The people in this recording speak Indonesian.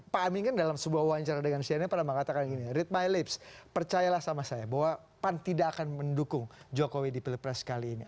pak amin kan dalam sebuah wawancara dengan cnn pernah mengatakan gini read my lips percayalah sama saya bahwa pan tidak akan mendukung jokowi di pilpres kali ini